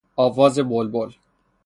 آواز بلبل